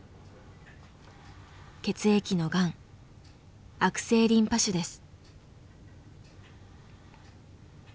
血液のがん悪性リンパ腫です。